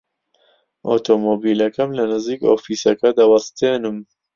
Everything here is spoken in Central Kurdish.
ئۆتۆمۆمبیلەکەم لە نزیک ئۆفیسەکە دەوەستێنم.